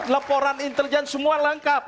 laporan intelijen semua lengkap